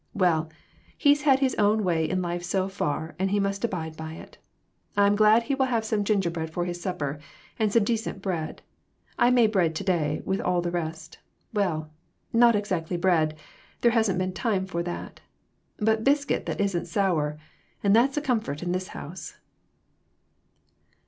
Well, he's had his own way in life so far, and he must abide by it. I'm glad he will have some gingerbread for his supper, and some decent bread. I made bread to day with all the rest. Well, not exactly bread there hasn't been time for that but biscuit that isn't sour; and that's a comfort in this house."